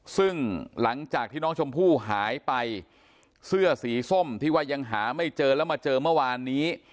ซึ่งหลังจากที่น้องชมพู่หายไปเสื้อสีส้มที่ว่ายังหาไม่เจอแล้วมาเจอเมื่อวานนี้